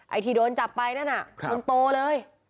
ที่โดนจับไปนั่นน่ะคนโตเลย